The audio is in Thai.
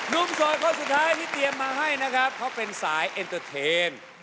นุ่มสวยข้อสุดท้ายที่เตรียมมาให้นะครับเขาเป็นสายเทนเทน